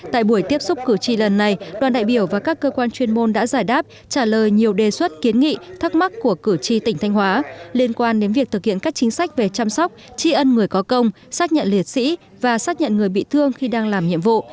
tại buổi tiếp xúc cử tri lần này đoàn đại biểu và các cơ quan chuyên môn đã giải đáp trả lời nhiều đề xuất kiến nghị thắc mắc của cử tri tỉnh thanh hóa liên quan đến việc thực hiện các chính sách về chăm sóc tri ân người có công xác nhận liệt sĩ và xác nhận người bị thương khi đang làm nhiệm vụ